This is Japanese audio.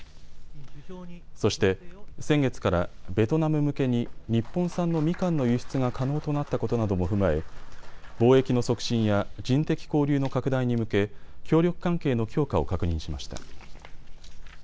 そして先月からベトナム向けに日本産のみかんの輸出が可能となったことなども踏まえ貿易の促進や人的交流の拡大に向け協力関係の強化を確認しました。